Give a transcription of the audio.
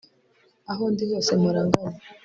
aho ndi hose mpora nganya